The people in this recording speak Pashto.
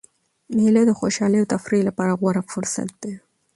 مېله د خوشحالۍ او تفریح له پاره غوره فرصت دئ.